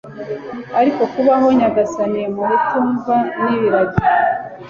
ariko kubaho, nyagasani, mu batumva n'ibiragi